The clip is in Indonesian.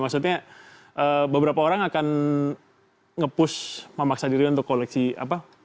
maksudnya beberapa orang akan nge push memaksa diri untuk koleksi apa